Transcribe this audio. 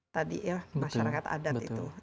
tadi ya masyarakat adat itu